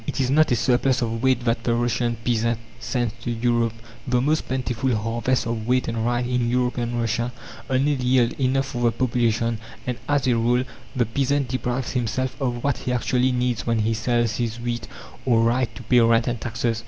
It is not a surplus of wheat that the Russian peasant sends to Europe. The most plentiful harvests of wheat and rye in European Russia only yield enough for the population. And as a rule, the peasant deprives himself of what he actually needs when he sells his wheat or rye to pay rent and taxes.